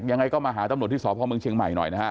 ยังไงก็มาหาตำรวจที่สพเมืองเชียงใหม่หน่อยนะฮะ